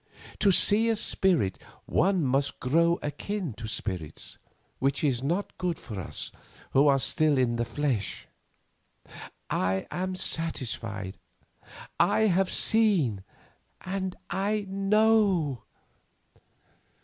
To see a spirit one must grow akin to spirits, which is not good for us who are still in the flesh. I am satisfied. I have seen, and I know.